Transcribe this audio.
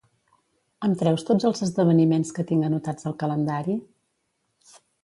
Em treus tots els esdeveniments que tinc anotats al calendari?